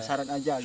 syarat saja gitu